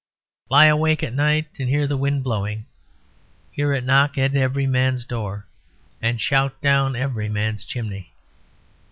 Lie awake at night and hear the wind blowing; hear it knock at every man's door and shout down every man's chimney.